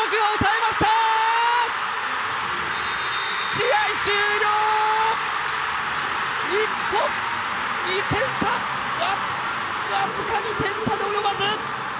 試合終了、日本、２点差、僅かの点差で及ばず。